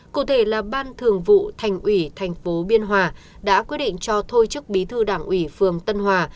cụ thể là ban thường vụ thành ủy thành phố biên hòa đã quyết định cho thôi chức bí thư đảng ủy phường tân hòa